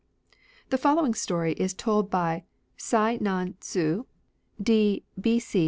The following story is told by Huai nan Tzu (d. B.C.